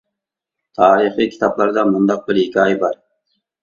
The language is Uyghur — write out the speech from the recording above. تارىخىي كىتابلاردا مۇنداق بىر ھېكايە بار.